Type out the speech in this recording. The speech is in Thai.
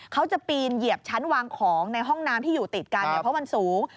เขาจะปีนเหยียบชั้นวางของในห้องน้ำที่อยู่ติดกันเพราะมันสูง